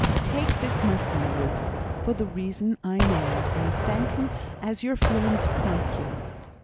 Take this muslin, Ruth, for the reason I named; and thank him as your feelings prompt you.